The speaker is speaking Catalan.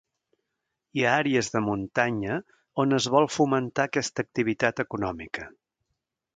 Hi ha àrees de muntanya on es vol fomentar aquesta activitat econòmica.